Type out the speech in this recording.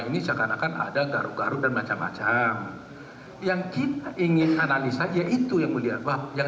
ini seakan akan ada garu garu dan macam macam yang kita ingin analisa yaitu yang mulia yang